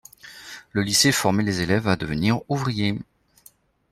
Le lycée formait les élèves à devenir ouvriers.